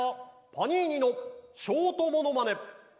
パニーニのショートモノマネ！